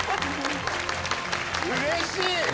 うれしい！